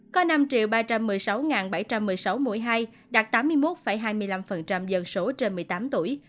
có năm ba trăm một mươi sáu bảy trăm một mươi sáu mũi hai đạt tám mươi một hai mươi năm dân số trên một mươi tám tuổi